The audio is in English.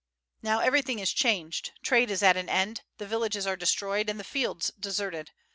Now everything is changed; trade is at an end, the villages are destroyed, and the fields deserted.